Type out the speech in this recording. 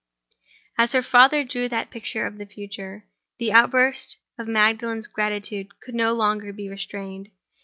As her father drew that picture of the future, the outburst of Magdalen's gratitude could no longer be restrained.